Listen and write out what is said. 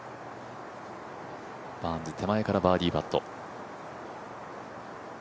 バーンズ、手前からバーディーパット。